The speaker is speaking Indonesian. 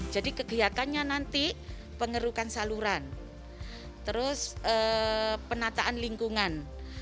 jadi kegiatannya nanti pengerukan saluran terus penataan lingkungan